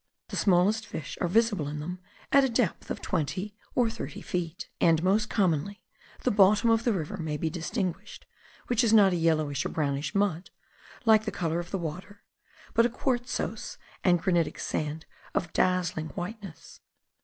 The smallest fish are visible in them at a depth of twenty or thirty feet; and most commonly the bottom of the river may be distinguished, which is not a yellowish or brownish mud, like the colour of the water, but a quartzose and granitic sand of dazzling whiteness.